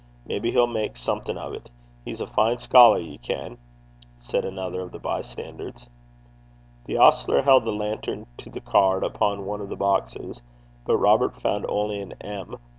Maybe he'll mak' something o't. He's a fine scholar, ye ken,' said another of the bystanders. The ostler held the lantern to the card upon one of the boxes, but Robert found only an M.